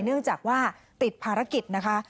เนื่องจากว่าติดภารกิจนะคะ